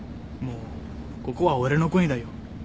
もうここは俺の国だよ。